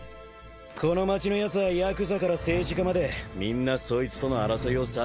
この町のやつぁヤクザから政治家までみんなそいつとの争いを避けてらぁ。